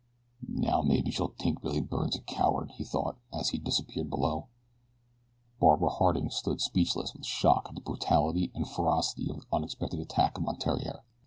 "Now maybe she'll tink Billy Byrne's a coward," he thought, as he disappeared below. Barbara Harding stood speechless with shock at the brutality and ferocity of the unexpected attack upon Theriere.